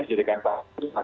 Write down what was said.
diberikan sebuah fdrs